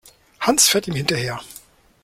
Hans fährt ihm hinterher.